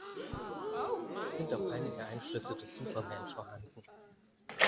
Es sind auch einige Einflüsse des Superman vorhanden.